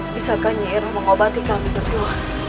bisakah nyai iroh mengobati kami berdua